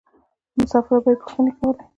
له مسافرو به یې پوښتنې کولې.